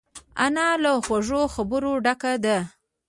انا له خوږو خبرو ډکه ده